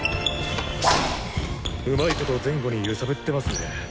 うまいこと前後に揺さぶってますね。